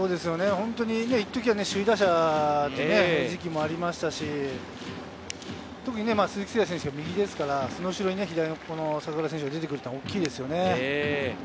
一時、首位打者でという時期もありましたし、特に鈴木誠也選手が右ですから、その後に左の坂倉選手が出てくるのは大きいですよね。